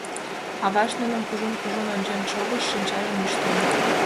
Авашт нуным кужун-кужун ончен шогыш, шинчажым ӱштыльӧ...